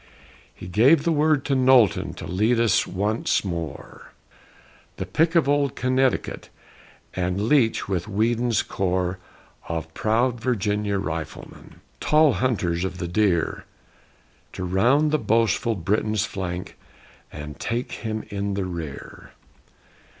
He gave the word to Knowlton To lead us on once more The pick of old Connecticut, And Leitch with Weedon's corps Of proud Virginia Riflemen, Tall hunters of the deer, To round the boastful Briton's flank And take him in the rear.